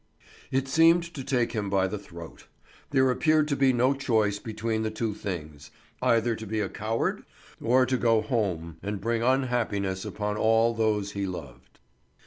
It seemed to take him by the throat. There appeared to be no choice between the two things, either to be a coward, or to go home and bring unhappiness upon all those he loved.